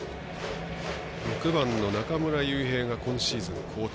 ６番の中村悠平が今シーズン好調。